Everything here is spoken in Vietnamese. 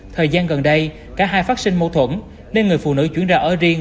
thời gian gần đây cả hai phát sinh mâu thuẫn nên người phụ nữ chuyển ra ở riêng